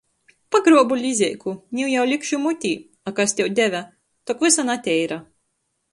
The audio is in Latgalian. Pagruobu lizeiku, niu jau likšu mutē, a kas tev deve, tok vysa nateira!